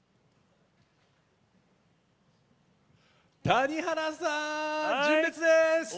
谷原さん、純烈です。